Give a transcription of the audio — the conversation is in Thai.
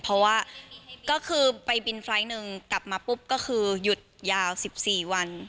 เพราะว่าก็คือไปบินไฟล์ทหนึ่งกลับมาปุ๊บก็คือหยุดยาว๑๔วัน